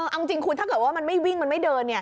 เอาจริงคุณถ้าเกิดว่ามันไม่วิ่งมันไม่เดิน